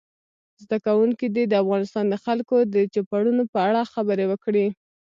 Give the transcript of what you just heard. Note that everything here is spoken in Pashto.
زده کوونکي دې د افغانستان د خلکو د چوپړونو په اړه خبرې وکړي.